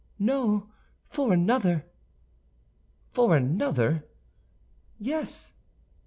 "No; for another." "For another?" "Yes."